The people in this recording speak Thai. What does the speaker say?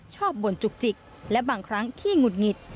บ่นจุกจิกและบางครั้งขี้หงุดหงิด